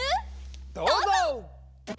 どうぞ！